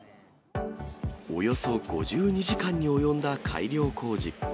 およそ５２時間に及んだ改良工事。